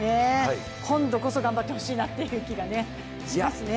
今度こそ頑張ってほしいという気がしますね。